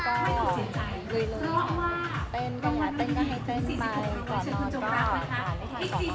แล้วก็หลุยเต้นกันให้เต้นไป